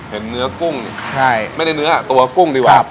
เห็นเนื้อกุ้งไม่ได้เนื้อตัวกุ้งดีกว่า